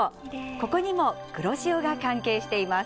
ここにも黒潮が関係しています。